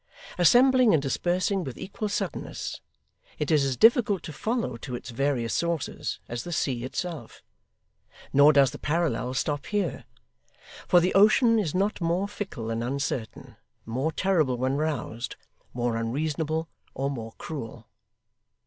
Assembling and dispersing with equal suddenness, it is as difficult to follow to its various sources as the sea itself; nor does the parallel stop here, for the ocean is not more fickle and uncertain, more terrible when roused, more unreasonable, or more cruel.